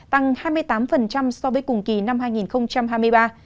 tăng hai mươi tám so với cùng kỳ năm hai nghìn hai mươi ba